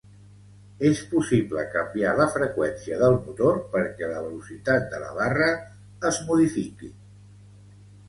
És possible canviar la freqüència del motor perquè la velocitat de la barra es modifiqui.